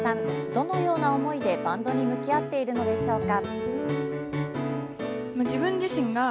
どのような思いでバンドに向き合っているのでしょうか。